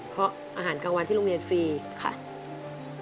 เพราะอาหารกลางวันที่โรงเรียนฟรีค่ะ